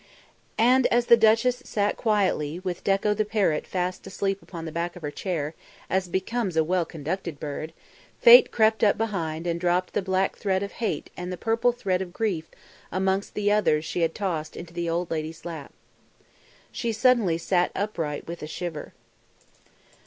And as the duchess sat quietly, with Dekko the parrot fast asleep upon the back of her chair, as becomes a well conducted bird, Fate crept up behind and dropped the black thread of hate and the purple thread of grief amongst the others she had tossed into the old lady's lap. She suddenly sat upright with a shiver.